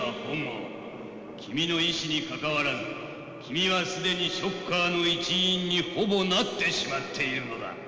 君の意志にかかわらず君は既にショッカーの一員にほぼなってしまっているのだ。